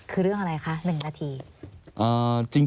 คือเรื่องอะไรคะ๑นาที